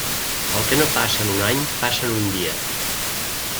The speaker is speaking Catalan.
El que no passa en un any passa en un dia.